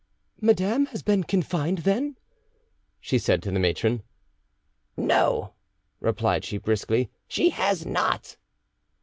"Madame has been confined, then?" she said to the matron. "No," replied she briskly, "she has not."